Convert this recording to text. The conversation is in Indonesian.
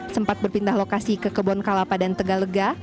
sempat berpindah lokasi ke kebon kalapa dan tegalega